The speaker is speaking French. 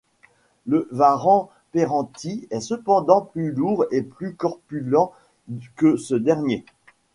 Le Varan Perenti est cependant plus lourd et plus corpulent que ce dernier.